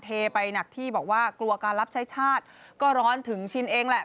เทไปหนักที่บอกว่ากลัวการรับใช้ชาติก็ร้อนถึงชินเองแหละ